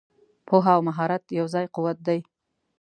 پوهه او مهارت یو ځای قوت دی.